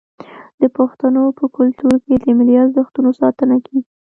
د پښتنو په کلتور کې د ملي ارزښتونو ساتنه کیږي.